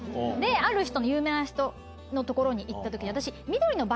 ある人有名な人の所に行った時に私。